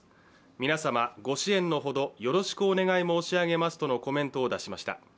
皆様、ご支援のほどよろしくお願い申し上げますとのコメントを出しました。